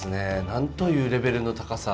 なんというレベルの高さ。